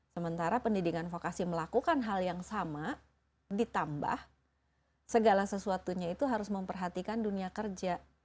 sementara pendidikan vokasi melakukan hal yang sama ditambah segala sesuatunya itu harus memperhatikan dunia kerja